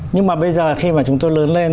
nhưng mà bây giờ khi mà chúng tôi lớn lên